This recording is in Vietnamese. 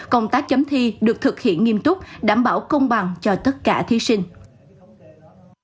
công tác chấm thi được thực hiện nghiêm túc đảm bảo công bằng cho tất cả thí sinh